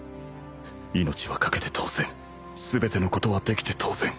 命はかけて当然全てのことはできて当然